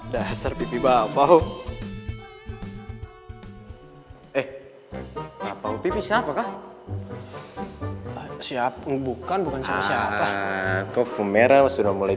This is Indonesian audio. lagi dasar pipi bapak eh apa apa siapakah siap bukan bukan siapa siapa kok merah sudah mulai